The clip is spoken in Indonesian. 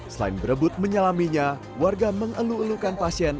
selain berebut menyelaminya warga mengeluh elukan pasien